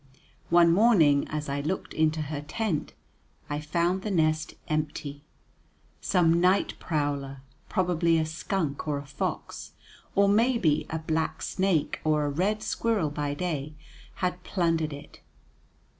One morning, as I looked into her tent, I found the nest empty. Some night prowler, probably a skunk or a fox, or maybe a black snake or a red squirrel by day, had plundered it.